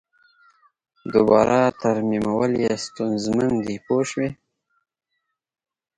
دوباره ترمیمول یې ستونزمن دي پوه شوې!.